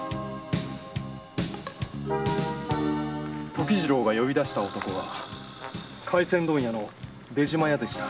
時次郎が呼び出した男は廻船問屋の「出島屋」でした。